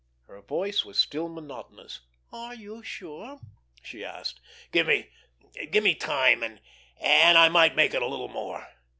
Her voice was still monotonous. "Are you sure?" she asked. "Give me—give me time, and—and I might make it a little more."